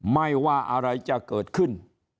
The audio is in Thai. ไม่ว่าอะไรจะเกิดขึ้น